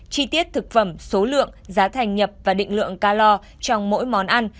chi tiết thực phẩm số lượng giá thành nhập và định lượng ca lo trong mỗi món ăn